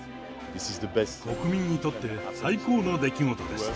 国民にとって最高の出来事です。